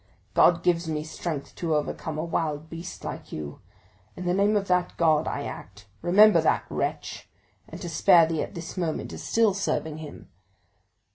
God gives me strength to overcome a wild beast like you; in the name of that God I act,—remember that, wretch,—and to spare thee at this moment is still serving him."